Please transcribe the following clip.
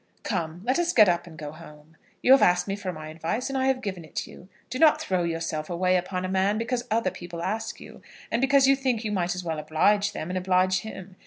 "Come, let us get up and go home. You have asked me for my advice, and I have given it you. Do not throw yourself away upon a man because other people ask you, and because you think you might as well oblige them and oblige him.